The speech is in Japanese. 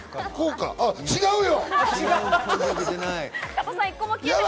違うよ。